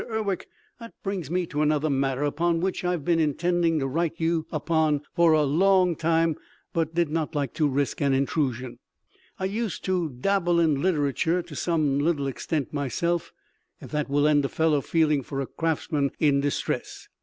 Urwick that brings me to another matter upon which I have been intending to write you upon for a long time but did not like to risk an intrusion. I used to dable in literature to some little extent myself if that will lend a fellow feeling for a craftsman in distress.